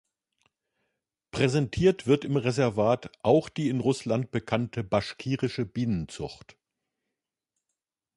Präsentiert wird im Reservat auch die in Russland bekannte baschkirische Bienenzucht.